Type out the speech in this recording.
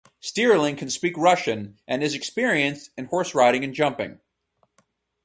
Stirling can speak Russian and is experienced in horse riding and jumping.